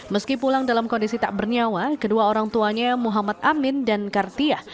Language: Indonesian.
meski pulang dalam kondisi tak bernyawa kedua orang tuanya muhammad amin dan kartiah